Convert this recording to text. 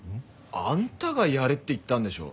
あんたがやれって言ったんでしょ？